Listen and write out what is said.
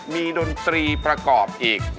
ดนตรีประกอบอีก